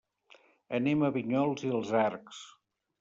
Anem a Vinyols i els Arcs.